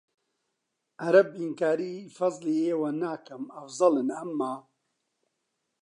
عەرەب ئینکاری فەزڵی ئێوە ناکەم ئەفزەلن ئەمما